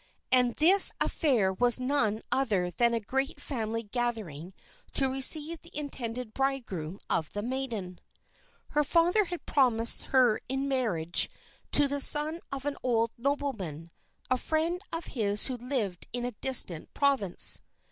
And this affair was none other than a great family gathering to receive the intended bridegroom of the maiden. Her father had promised her in marriage to the son of an old nobleman, a friend of his who lived in a distant province.